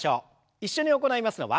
一緒に行いますのは。